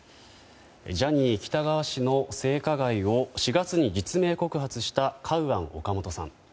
ジャニー喜多川氏の性加害を４月に実名告発したカウアン・オカモトさん。